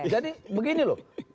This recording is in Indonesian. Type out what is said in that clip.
jadi begini loh